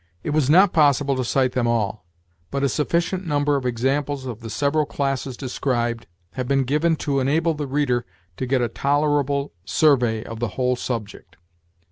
It was not possible to cite them all, but a sufficient number of examples of the several classes described have been given to enable the reader to get a tolerable survey of the whole subject.